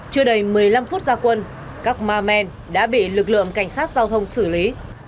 chưa đầy một mươi năm phút gia quân các ma men đã bị lực lượng cảnh sát giao thông xử lý